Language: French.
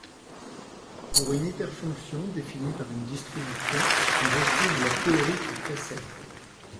Pour une hyperfonction définie par une distribution, on retrouve la théorie qui précède.